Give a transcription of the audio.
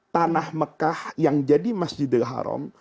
tanah mekah yang jadi masjidil haram